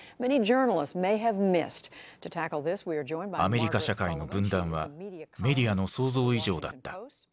アメリカ社会の分断はメディアの想像以上だった。